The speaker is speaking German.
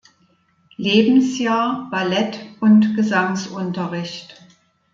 Lebensjahr Ballett- und Gesangsunterricht.